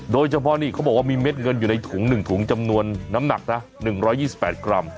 โดยเฉพาะนี่เขาบอกว่ามีเม็ดเงินอยู่ในถุง๑ถุงจำนวนน้ำหนักนะ๑๒๘กรัม